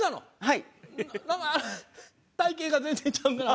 はい。